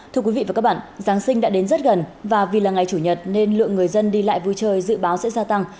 thưa quý vị và các bạn giáng sinh đã đến rất gần và vì là ngày chủ nhật nên lượng người dân đi lại vui chơi dự báo sẽ gia tăng